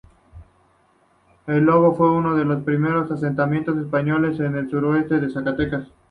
El Lobo fue uno de los primeros asentamientos españoles en el sureste de Zacatecas.